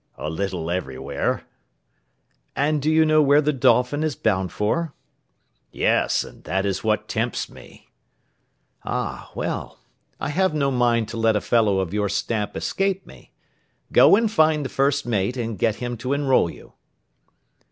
"A little everywhere." "And do you know where the Dolphin is bound for?" "Yes; and that is what tempts me." "Ah, well! I have no mind to let a fellow of your stamp escape me. Go and find the first mate, and get him to enrol you."